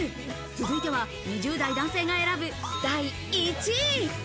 続いては２０代男性が選ぶ第１位。